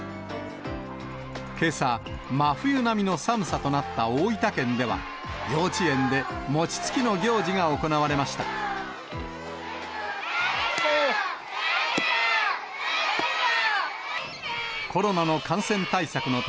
けさ、真冬並みの寒さとなった大分県では、幼稚園で餅つきの行事が行われました。